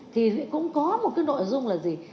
thì cũng có một cái nội dung là gì